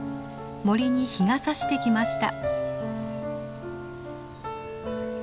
森に日がさしてきました。